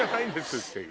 っていう。